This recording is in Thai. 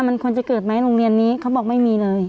มันควรจะเกิดไหมโรงเรียนนี้เขาบอกไม่มีเลย